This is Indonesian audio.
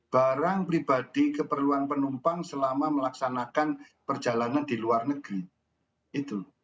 barang pribadi keperluan penumpang selama melaksanakan perjalanan di luar negeri itu